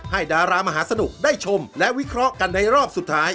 ดารามหาสนุกได้ชมและวิเคราะห์กันในรอบสุดท้าย